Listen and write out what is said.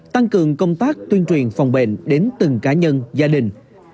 tăng cường công tác tuyên truyền phòng bệnh đến từng cá nhân gia đình